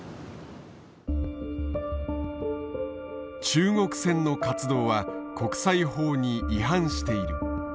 中国船の活動は国際法に違反している。